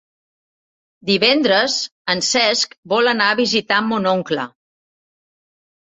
Divendres en Cesc vol anar a visitar mon oncle.